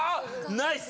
ナイス！